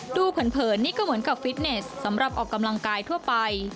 เผินนี่ก็เหมือนกับฟิตเนสสำหรับออกกำลังกายทั่วไป